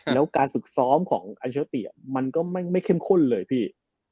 แล้วการฝึกซ้อมของอัลเชอร์ติมันก็ไม่เข้มข้นเลยพี่